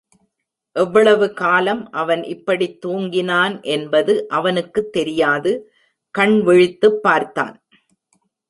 எவ்வளவு காலம் அவன் இப்படித் துங்கினான் என்பது அவனுக்குத் தெரியாது கண்விழித்துப் பார்த்தான்.